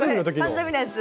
誕生日のやつ。